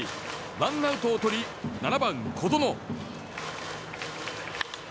ワンアウトをとり７番、小園。